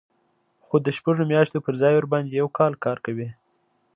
خو د شپږو میاشتو پر ځای ورباندې یو کال کار کوي